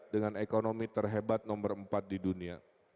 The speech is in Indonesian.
dengan ekonomi terhebat nomor empat di dunia